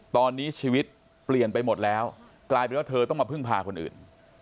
ตอนนี้ชีวิตเปลี่ยนไปหมดแล้วกลายเป็นว่าเธอต้องมาพึ่งพาคนอื่น